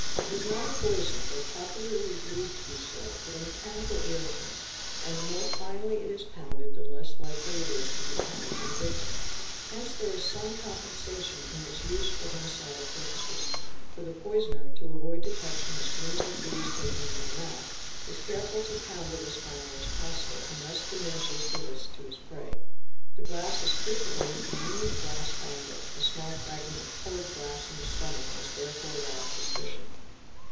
It is not a poison, though popularly believed to be so, but a mechanical irritant, and the )_ 662 POISONING ,\ ye more finely it is pounded the less likely it is to do harm to the victim. Hence there is some compensation in its use for homicidal purposes, for the poisoner, to avoid detection as soon as the food is taken into the mouth, is careful to pound it as finely as possible, and thus diminishes the risk to his prey. The glass is frequently the convenient glass bangle —a small fragment of coloured glass in the stomach must therefore rouse suspicion.